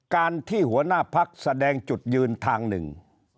การที่หัวหน้าพักแสดงจุดยืนทางหนึ่ง